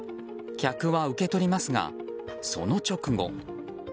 客は受け取りますがその直後。